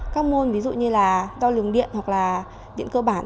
các môn ví dụ như là đo lường điện hoặc là điện cơ bản